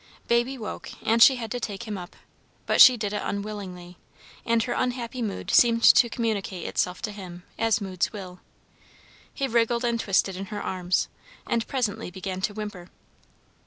Baby woke, and she had to take him up, but she did it unwillingly, and her unhappy mood seemed to communicate itself to him, as moods will. He wriggled and twisted in her arms, and presently began to whimper.